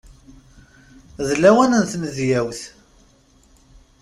D lawan n tnedyawt.